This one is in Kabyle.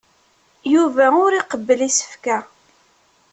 Yuba ur iqebbel isefka.